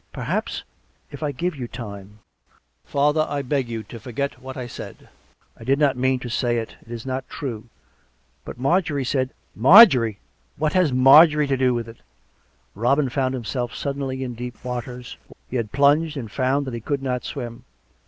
" Perhaps if I give you time " "Father, I beg of you to forget what I said; I did not mean to say it. It is not true. But Marjorie said "" Marjorie! What has Marjorie to do with it.'' " Robin found himself suddenly in deep waters. He had plunged and found that he could not swim.